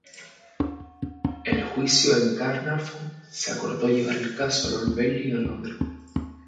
El juicio en Caernarfon se acordó llevar el caso al "Old Bailey" en Londres.